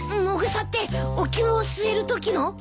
もぐさっておきゅうを据えるときの？